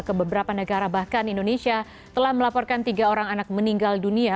ke beberapa negara bahkan indonesia telah melaporkan tiga orang anak meninggal dunia